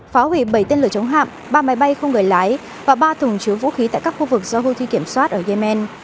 phá hủy bảy tên lửa chống hạm ba máy bay không người lái và ba thùng chứa vũ khí tại các khu vực do houthi kiểm soát ở yemen